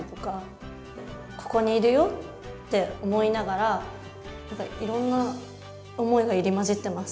「此処にいるよ」って思いながらいろんな思いが入り交じってます